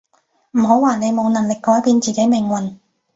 唔好話你冇能力改變自己命運